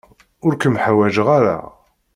Ur kem-ḥwajen ara.